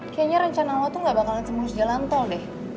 kayaknya rencana awal tuh gak bakalan semulus jalan tol deh